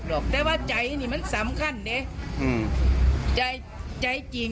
เพราะหลังจากที่ไปอยู่ต่างประเทศมานานหลายปี